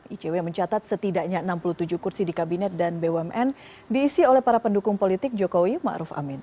icw mencatat setidaknya enam puluh tujuh kursi di kabinet dan bumn diisi oleh para pendukung politik jokowi ⁇ maruf ⁇ amin